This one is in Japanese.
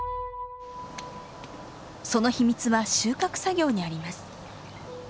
その秘密は収穫作業にあります。